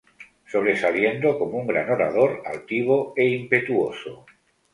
Sobresaliendo como un gran orador altivo e impetuoso.